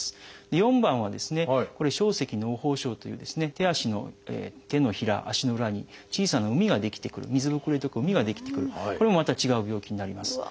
４番は「掌蹠膿疱症」という手足の手のひら足の裏に小さな膿が出来てくる水ぶくれとか膿が出来てくるこれもまた違う病気になります。